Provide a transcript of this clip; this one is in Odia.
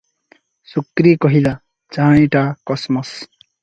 "ଶୁକ୍ରୀ କହିଲା," ଚାହାଣିଟା କସ୍ ମସ୍ ।"